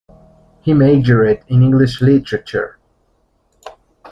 He majored in English literature.